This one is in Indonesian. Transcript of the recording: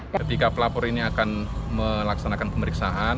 ketika pelapor ini akan melaksanakan pemeriksaan